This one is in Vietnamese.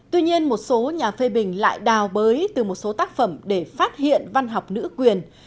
tuy nhiên một số nhà phê bình lại đào bới từ một số tác phẩm để phát hiện văn học nữ quyền